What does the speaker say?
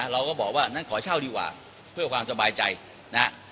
เราก็บอกว่างั้นขอเช่าดีกว่าเพื่อความสบายใจนะฮะ